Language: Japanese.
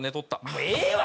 もうええわ！